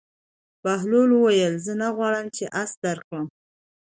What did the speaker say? بهلول وویل: زه نه غواړم چې اس درکړم.